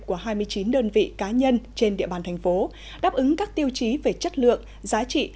của hai mươi chín đơn vị cá nhân trên địa bàn thành phố đáp ứng các tiêu chí về chất lượng giá trị